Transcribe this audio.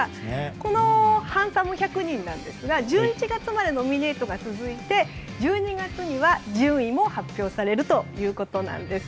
このハンサム１００人なんですが１１月までノミネートが続いて１２月には、順位も発表されるということです。